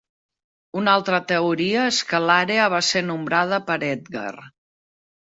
Una altra teoria és que l'àrea va ser nombrada per Edgar.